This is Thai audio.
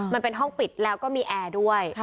มันเป็นห้องปิดแล้วก็มีแอร์ด้วย